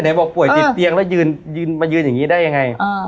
บอกป่วยติดเตียงแล้วยืนมายืนอย่างนี้ได้ยังไง